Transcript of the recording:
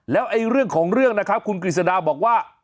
แล้วเรื่องของเรื่องนะครับคุณกฤษฎาบอกว่า